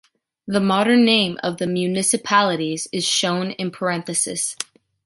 The modern name of the municipalities is shown in parentheses.